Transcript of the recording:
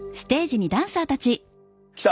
来た！